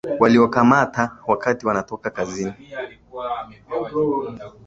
waliokamata wakati wanatoka kazini